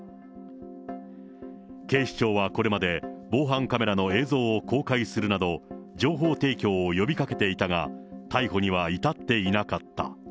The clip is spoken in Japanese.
警視庁はこれまで、防犯カメラの映像を公開するなど、情報提供を呼びかけていたが、逮捕には至っていなかった。